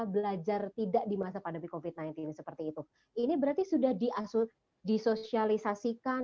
belajar tidak di masa pandemi covid sembilan belas seperti itu ini berarti sudah diasut disosialisasikan